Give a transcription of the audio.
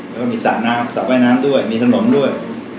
แล้วก็มีสระน้ำสระว่ายน้ำด้วยมีถนนด้วย